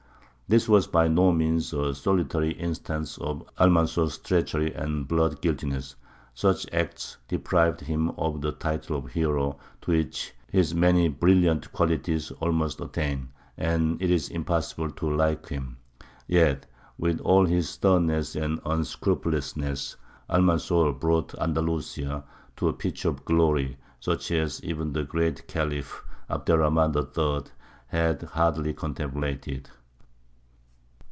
This was by no means a solitary instance of Almanzor's treachery and bloodguiltiness; such acts deprive him of the title of hero to which his many brilliant qualities almost attain, and it is impossible to like him. Yet, with all his sternness and unscrupulousness, Almanzor brought Andalusia to a pitch of glory such as even the great Khalif, Abd er Rahmān III., had hardly contemplated.